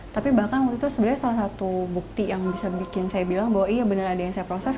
tapi bahkan waktu itu sebenarnya salah satu bukti yang bisa bikin saya bilang bahwa iya benar ada yang saya proses